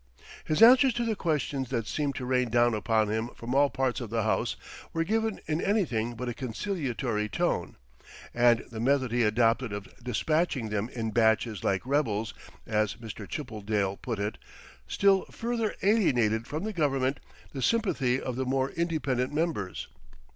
His answers to the questions that seemed to rain down upon him from all parts of the House were given in anything but a conciliatory tone, and the method he adopted of "dispatching them in batches like rebels," as Mr. Chappeldale put it, still further alienated from the Government the sympathy of the more independent members.